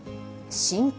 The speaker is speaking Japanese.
深刻！